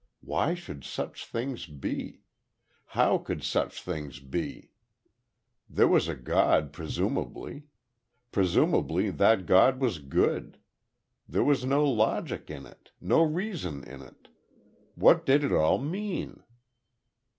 Why should such things be? How could such things be? There was a God, presumably. Presumably, that God was good.... There was no logic in it no reason in it.... What did it all mean?